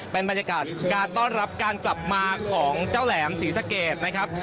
เป็นบรรยากาศการต้อนรับการกลับมาของเจ้าแหลมศรีสะเกดนะครับ